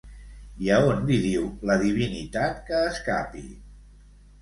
I a on li diu la divinitat que escapi?